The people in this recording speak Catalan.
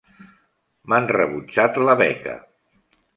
M'han rebutjat la beca.